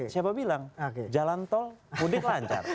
siapa bilang jalan tol mudik lancar